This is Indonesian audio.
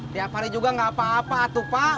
tiap hari juga enggak apa apa atuh pak